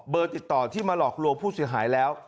ติดต่อที่มาหลอกลวงผู้เสียหายแล้ว